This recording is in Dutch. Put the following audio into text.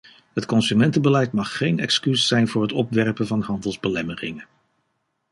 Het consumentenbeleid mag geen excuus zijn voor het opwerpen van handelsbelemmeringen.